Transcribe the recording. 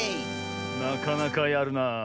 なかなかやるなあ。